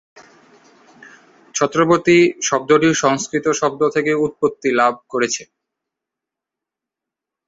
ছত্রপতি শব্দটি সংস্কৃত শব্দ থেকে উৎপত্তি লাভ করেছে।